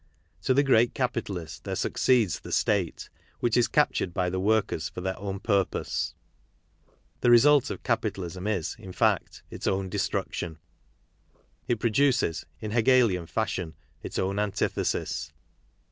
To the great capitalist there succeeds the state, which is captured by the workers for their own purpose. The result of capita lism is^Jn^fact^ its own destruction. It produces, in Hegelian fashion,, its own antithesis.